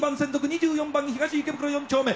２４番東池袋四丁目。